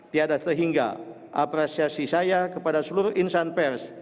tiada sehingga apresiasi saya kepada seluruh insan pers